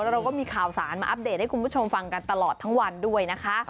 เราก็มีข่าวสารมาอัปเดตให้คุณผู้ชมฟังกันตลอดทั้งวันด้วยนะคะ